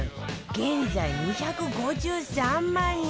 現在２５３万人！